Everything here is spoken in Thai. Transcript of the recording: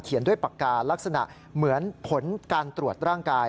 ด้วยปากกาลักษณะเหมือนผลการตรวจร่างกาย